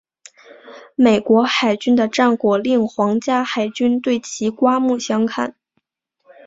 美国海军的战果令皇家海军对其刮目相看。